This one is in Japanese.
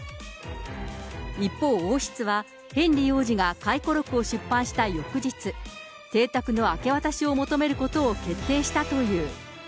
一方、王室はヘンリー王子が回顧録を出版した翌日、邸宅の明け渡しを求めることを決定したという。